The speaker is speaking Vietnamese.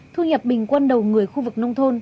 thu nhập bình quân đầu người khu vực nông thôn